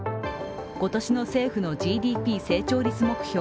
今年の政府のＧＤＰ成長率目標